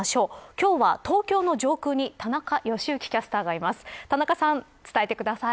今日は東京の上空に田中良幸キャスターがいます。